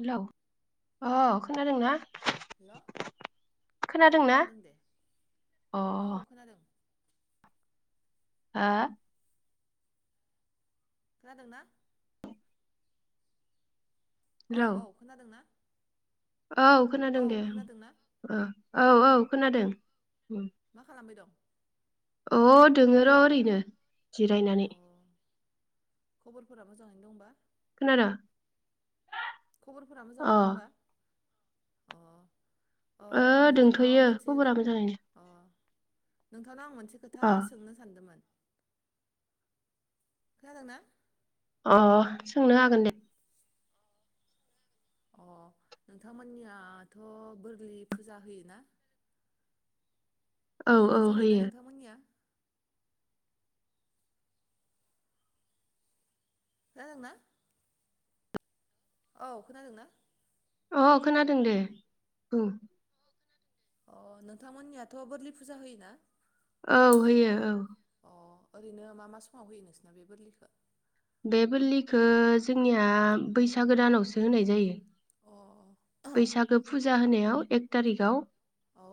हेल' अ खोनादों ना? हेल' औ खोनादोंना खोनादों दे अ औ खोनादोंह हो खोनादोंना हेलौ औ-औ खोनादोंना? औ खोनादों औ दे खोनादोंना ओ अ औ-औ खोनादों। मा खालामबाय दं अ दोङ र' ओरैनो जिरायनानै अ खबरफोरा मोजाङैनो दंबा खोनादो खबरफोरा मोजाङैनो दंबा? अ अ ओ आं नोंथांनाव दंथ'योखौ मोनसे खबरा मोजाङैनो अ नोंथांनाव आं मोन से खोथा अ सोंनो सानदोंमोन। खोनादोंना? अ सोंनो हागोन दे? अ नोंथांमोननियाथ' बोरलि फुजा होय ना? औ बोरलि औ फुजा होयोना होयो नोंथांमोननिया? खोनादोंना? औ खोनादोंना? अ खोनादों दे उम। अ नोंथांमोननियाथ' बोरलि फुजा होयोना? औ होयो औ। अ ओरैनो मा मा समाव होयो नोंसोना बे बोरलिखौ? बे बोरलिखौ जोंनिया बैसागोदानावसो होनाय जायो। अ बैसागो फुजा होनायाव एक थारिकाव औ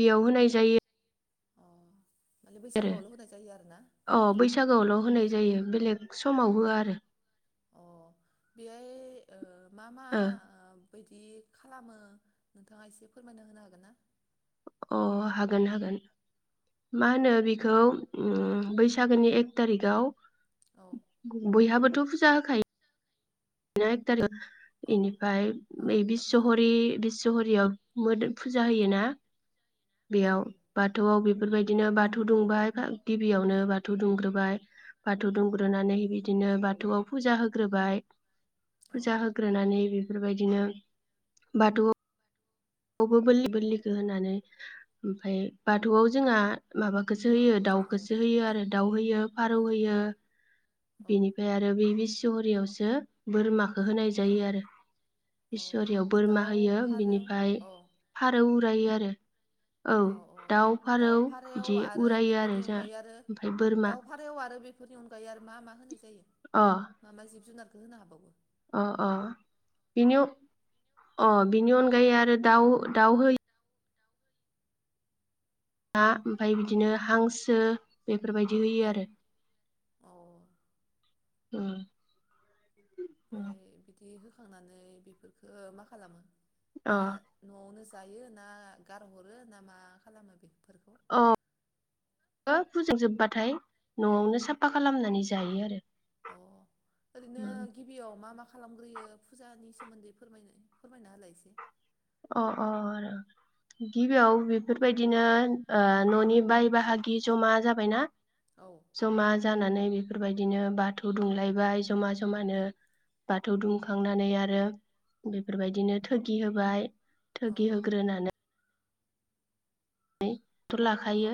बेयाव होनाय जायो। जायो। अ माने आरो बैसागोआवल' होनाय जायो आरोना अ बैसागोआवल' होनाय जा जायो बेलेग समाव होआ आरो अ बेहाय ओ मा मा? बायदि खालामो नोंथाङा एसे फोरमायना होनो हागोन ना? अ हागोन हागोन मा होनो बेखौ बैसागोनि एक थारिखाव औ बयहाबो थ' फुजा होखाय [unintelligible] औ इनिफ्राय औ बिसहरि बिस बिसहरियाव मोदोम फुजा होयो ना औ बेयाव बाथौआव बे बेफोरबायदिनो बाथौ दुंबाय गिबियावनो बाथौ दुंग्रोबाय बाथौ दुंग्रोनानै बिदिनो बाथौआव फुजा होग्रोबाय औ फुजा होग्रोनानै बे बेफोरबायदिनो बाथौ बो बोलि बोलिखौ होनानै ओमफ्राय बाथौआव जोंहा माबा सो होयो औ दाउखौसो होयो आरो दाउ होयो, फारौ होयो। औ बिनिफ्राय आरो बे बिसहरियाव सो बोरमा बो होनाय जायो आरो अ अ बिसरियाव बोरमा दाउ होयो फारौ बिनिफ्राय औ फारौ उरायो आरो। औ दाउ फारौ बिदि उरायो आरो जा ओमफ्राय बोरमा। दाउ फारौ बेफोरनि अनगायै आरो मा मा होनो जायो अ माबा जिब जुनार गो होनो हाबावो अ अ बिनि अ बिनि अनगायै आरो दाउ दाउ हो ना ओमफ्राय बिदिनो हांसो बे फोरबायदि होयो औ आरो औ ओमफ्राय ओम ओमफ्राय बिदि हो खांनानै बेफोरफोरखो मा खालामो? अ ना न'आवनो जायो ना गारहरो ना मा खालामो बेफोर औ [unintelligible] फुजिजोबबाथाय। अ न'आवनो साफा खालामनानै जा जायो आरो अ ओरैनो गिबियाव मा मा खालामग्रोयो फुजानि सोमोन्दै फोरमायनो फोरमाय अ अ आरो गिबियाव बेफोरबायदिनो ओ न'नि बाय बाहागि जमा जाबायना औ जमा जानानै बे फोरबायदिनो बाथौ दुंलायबाय जमा जमानो बाथौ दुमखांनानै आरो बेफोरबायदिनो थोगि होबाय। औ थोगि होग्रोनानै [unintelligible] थ' औ लाखायो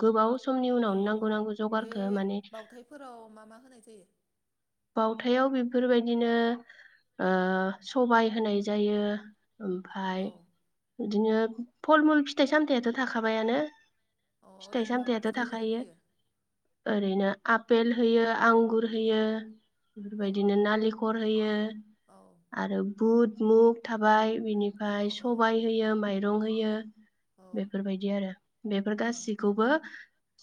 गोबाव समनि औ उनाव औ नांगौ नांगौ बे जगारखौ माने बावथायफोराव मा मा होनाय जायो बाउथायाव बेफोरबायदिनो ओ सबाय होनाय जायो ओमफाय औ बिदिनो फल मुल फिथाइ सामथायाथ' थाखाबायानो। अ फिथाइ ओरैनो मा मा सामथायाथ' फिथाइ थाखायो। होयो ओरैनो आपेल होयो आंगुर होयो। औ बेफोरबायदिनो नालिखर ओमफ्रायो औ आरो बुट मुग थाबाय औ बिनिफ्राय औ सबाइ होयो माइरं होयो। औ बेफोरबायदि आरो बेफोर गासिखौबो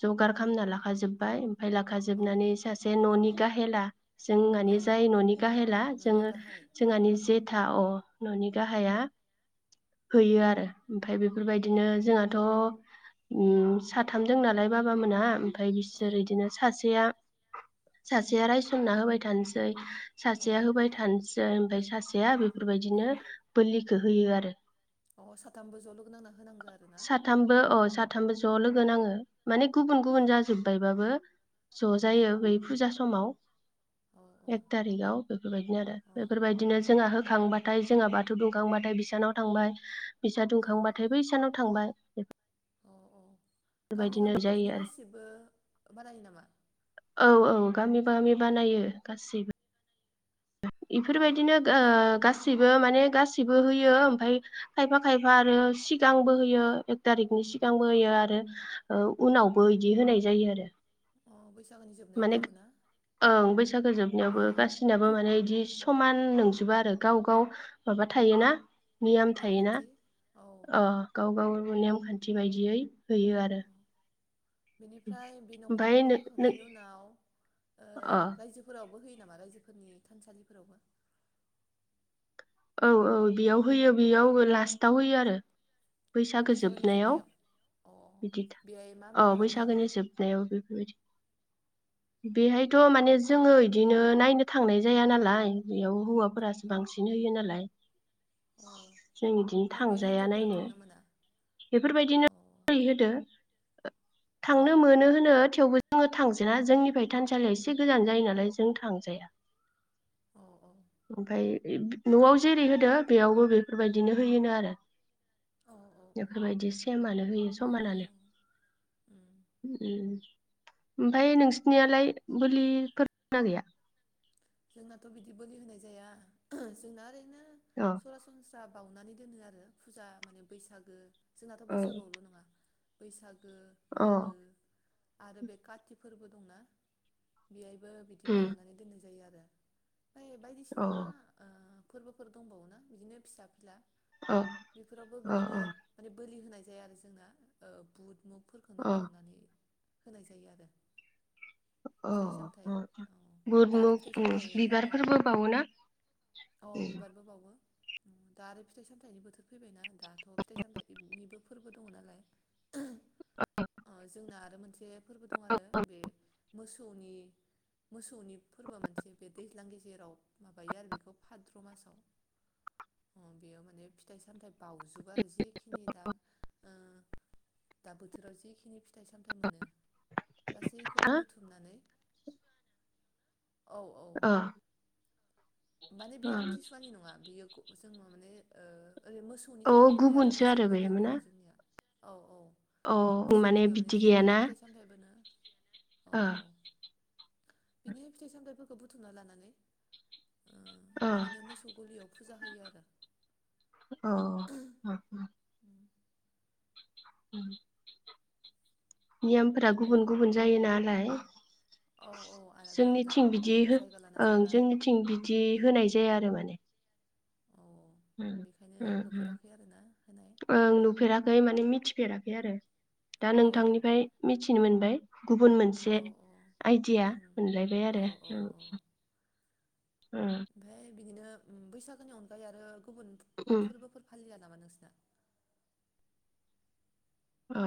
जगार खालामना लाखा जोबबाय ओमफाय लाखा औ जोबनानै सासे न'नि गाहेला। जों औ माने जाय न'नि गाहेला जोंङ न'नि गाहाय औ जोंहानि जेथा अ न'नि गाहाया हैयो आरो ओमफाय बेफोरबायदिनो जोंहाथ' उम साथाम दों नालाय बाबामोना ओमफाय औ बिसोर इदिनो सासेया सासेया रायस [unintelligible] होबाय थानोसै। औ सासेया होबाय थानोस ओमफाय सासेया बि बेफोरबायदिनो बोलि खो होयो आरो। अ साथामबो ज लोगो' नांना होनांगो आरो ना? साथामबो अ साथामबो ज' लोगो नाङो। माने गुबुन अ गुबुन जाजोब्बायबाबो ज' औ जायो बै फुजा समाव। औ एक तारिकाव बेफोरबायदिनो आरो औ बेफोरबायदिनो जोङा हो खांबाथाय जोंहा बाथौ दुंखांबाथाय बिसानाव थांबाय बिसा दुंखांबाथाय बै सानाव थांबाय। अ औ गामि बेफोरबायदिनो गामि जायो बिदिनो आरो गासिबो बानायो नामा? औ औ गामि [unintelligible] बानायो गासैबो। अ इफोरबायदिनो ओ गो गासिबो माने गासैबो होयो ओमफाय खायफा-खायफा आरो सिगांबो होयो एक थारिखनि सिगांबो होयो आरो ओ उनावबो इदि होनाय जायो आरो। अ बैसागोनि जोबनायावबो माने आरोना ओं बैसागो अ जोबनायावबो गाससिनाबो माने इद बे समान नोंजोबा आरो गाव गाव माबा थायोना नियाम थायोना नेमखान्थि औ औ अ गाव गाव नेमखान थि बायदियै होयो आरो। बेनिफ्राय बे न'खर ओमफाय न'खर नो नो होखांनायनि उनाव ओ अ रायजोफोरावबो है नामा रायजोफोरनि थानसालिफोरावबो? औ औ बेयाव होयो बेयाव लास्टाव होयो आरो। बैसागो जोबनायाव अ बिदि बेहाय मा मा औ खालामो बैसागोनि ओरैनो जोबनायाव बेफोरबायदि। बेहायथ' माने जोङो इदिनो नायनो थांनाय जाया नालाय बेयाव हौवाफो फोरासो औ बांसिन होयो नालाय नाय अ जों इदिनो अ बेहाय थांजाया हिनजावफोरा नायनो थांनो मोना बेफोरबायदिनो अ ओरै होदो। ओ अ थांनो मोनो होनो थेवबो जोङो थांजेना जोंनिफ्राय थानसालिया एसे गोजान जायो नालाय जों थांजाया औ ओमफाय इद न'आव जेरै होदो बेयावबो बेफोरबायदिनो होयोनो आरो। औ औ बेफोरबायदि सेमानो होयो अ समानो अ उम उम ओमफाय नोंसिनियालाय बोलि फोरना गैया? जोंनाथ' बिदि बोलि होनाय जाया जोंना ओरैनो अ सरासनस्रा बाउनानै दोनो आरो फुजा माने बैसागो जोंनाथ' अ बैसागुआवल' नङा। बैसाग ओ मागो आरो बे काति फोरबो दंना बेहाय ओ बिदि उम बावनानै दोननाय जायो आरो। जाहैबाय अ बायदिसिना ओ फोरबोफोर दंबावनो ना बिदिनो फिसा फिला अ बेफोरावबो अ बिदिनो अ माने बोलि होनाय ओमफ्राय आरो जोंना बुद मुगु फोरखनो अ बाउनानै होनाय जायो आरो। औ फिथाइ सामथाइ औ बुद दा आरो फिथाइ मुगु सामथाइ औ बिबारफोरबो बावोना औ बिबारबो बावो दा आरो फिथाइ सामथायाइनि बोथोर फैबायना दाथ फिथाइ सामथाइनिबो बेफोरबो दङ नालाय जोंना आरो मोनसे फोरबो दं आरो बे मोसौनि मोसौनि फोरबोआ मोनसे बे दैज्लां गेजेराव माबायो आरो बेखौ भाद्र' मासाव बेयाव माने फिथाइ सामथायाइ बाउजोब आरो जिखिनि दा दा बोथोराव जखिनि फिथाइ सामथायाइ मोनो गासैखौबो हा बुथुमनानै औ माने बे आमथिसुवानि नङा बे जों माने औ ओरै मोसौनि औ थाखाय होयो आरो गुबुनसो मोसौ बे गलियाव मोना होयो जोंनिया औ औ मोसौ गलियाव माने जिखिनि फिथाइ सामथायाइ बो ना औ बिनिहाय फिथाइ सामथायफोरखौ बुथुमना लानानै अ बिदिनो मोसौ गलियाव फुजा होयो आरो औ अम नेयमफोरा गुबुन गुबुन जायो नालाय औ औ आलादा आलादा जोंनिथिं औ बिदि जायगा लाना ओं जायगा जोंनिथिं बिदि होनाय जाया आरो माने औ अम बेखायनो अम नुफेराखै आरोना होनाय ओं नुफेराखै माने मिथि मिथि फेराखै आरो दा औ नोंथांनिफ्राय मिथिनो मोनबाय गुबुन मोनसे औ औ आइडिया उम मोनलायबाय औ औ औ आरो। उम ओमफ्राय बिदिनो बैसागोनि अनगायै आरो गुबुन फोरबोफोर फालिया नामा नोंसिना? अ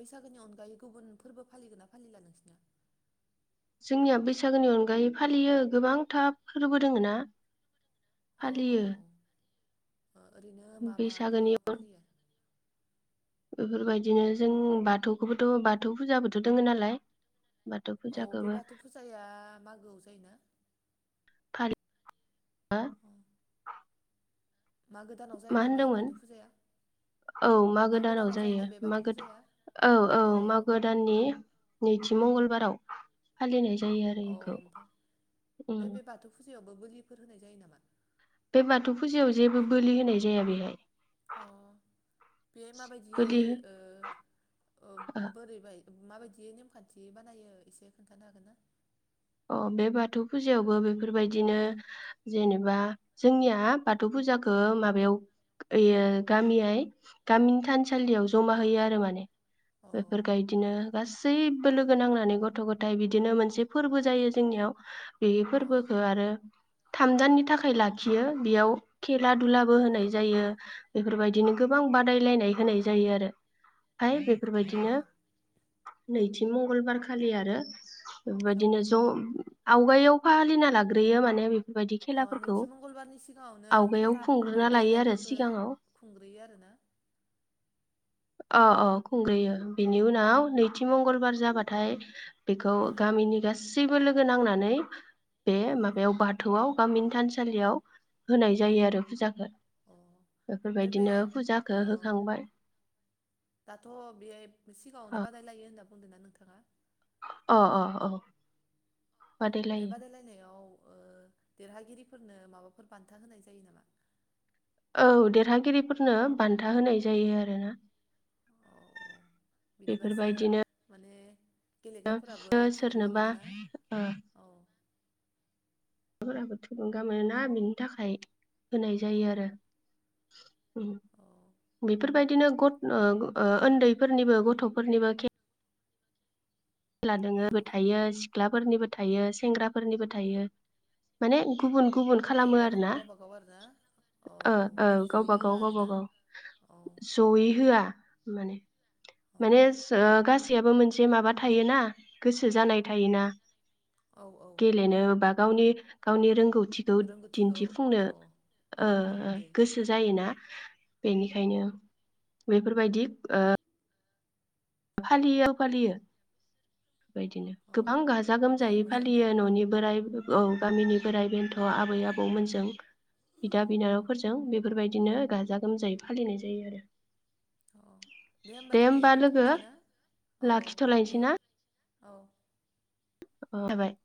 बैसागोनि अनगायै गुबुन फोरबो फालिगोन ना फालिला नोंसिना? जोंनिया बैसागोनि अनगायै फालियो गोबांथा फोरबो दोङो ना। औ औ फालियो। ओ ओरैनो मा माखो बैसागोनि फालियो। बेफोरबायदिनो जों बाथौखौबोथ' बाथौ फुजाबोथ' दोङो नालाय बाथौ औ बे फुजाखौबो बाथौ फुजाया मागोआव जायोना? फारि आ अ मागो दानाव मा जायोना बे होनदोंमोन बाथौ फुजाया? औ मागो दानाव जायो जायोना बे बाथौ मागोद फुजाया? औ औ अ मागो दाननि नैथि मंगलबाराव फालिनाय ज जायो आरो अ इखौ उम बो बोलिफोर होनाय जायो नामा? बे बाथौ फुजायाव जेबो बोलि होनाय जाया बेहाय। अ बेहाय माबायदियै बोलि हो ओ ओ बोरैबाय माबायदि नेमखान्थि बानायो एसे खोन्थानो हागोन ना? अ बे बाथौ फुजायावबो बेफोरबायदिनो जेनेबा जोंनिया बाथौ फुजाखो माबायाव इयो गामियाय गामिनि थानसालियाव जमा होयो आरो माने अ बेफोर गायदिनो गासैबो लोगो नांनानै गथ' गथाइ बिदिनो मोनसे फोरबो ज जायो जोंनियाव बे औ फोरबोखो आरो थाम दाननि थाखाय लाखियो बेयाव खे ला दुलाबो औ होनाय जायो। बेफोरबायदिनो गोबां बादायलायनाय होनाय जायो आरो ओमफाय अ बेफोरबायदिनो नैथि मंगलबारखालि आरो औ बेबायदिनोस उम आवगायाव फालिना लाग्रोयो माने बे अ नैथि मंगलबारनि सिगाङावनो आवगायाव खेलाफोरखौ खुंग्रोना लायो आरो गेलेनायफोरखो सिगाङाव खुंग्रोयो आरोना अ अ खुंग्रोयो बेनि उनाव नैथि मंगलबार जाबाथाय बेखौ गामिनि गासैबो लोगो नांनानै बे औ माबायाव बाथौआव गामिनि थानसालियाव होनाय औ जायो आरो फुजाखो अ ओमफ्राय बे बेफोरबायदिनो फुजाखो ओ होखांबाय दाथ' बेयाइब सिगाङावनो बादायलायो होनना बुंदोंना नोंथ ओ ओ औ औ बे बादायलायो बादायलायनायाव ओ देरहागिरिफोरनो माबाफोर बान्था होनाय जायो नामा? औ देरहागिरिफोरनो बान्था होनाय जायो आरोना औ बिदिबासो माने ओ गेलेग्राफोराबो ओ थुलुंगा सोरनोबा मोनोना ओ औ फोराबो थुलुंगा मोनोना बिनि थाखाय होनाय औ जायो आरो उम बेफोरबायदिनो गथ ओ ओ उन्दैफोरनिबो गथ'फोरनिबो खे खेला औ दोङो थायो सिख्लाफोरनिबो थायो सेंग्राफोरनिबो थायो माने गुबुन गुबुन अ खालामो आरोना गावबागाव गावबागाव आरो ना औ ओ औ माने जयै गावबा गाव होआ गावबा आरोना गाव औ ज'यै होआ माने माने औ स गासैयाबो मोनसे माबा थायोना गोसो जानाय थायोना औ औ गेलेनो बा गावनि गावनि रोंगौ थिखौ रोंगौथिखौ दिन्थिफुंनो औ औ ओ नंगौ दे गोसो जायोना औ बेनिखायनो बेफोरबायदि ओ फालियो फालियो बेबायदिनो औ गोबां गाजा दे गोमजायै मोजां दे फालियो न'नि बोराइ औ गामिनि बोराइ बेन्थ' आबै औ आबौमोनजों बिदा बिनानावफोरजों बेफोरबायदिनो गाजा गोमजायै फालिनाय जायो आरो ओ दे होमबा दिनै दोनथ'नोसै ना औ लाखिथ'लायनोसै दे ना औ औ जाबाय